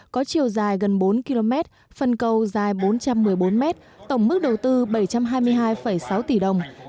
có chiều dài gần bốn km phần cầu dài bốn trăm một mươi bốn m tổng mức đầu tư bảy trăm hai mươi hai sáu tỷ đồng